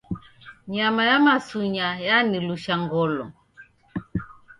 Nyama ya masunya yanilusha ngolo.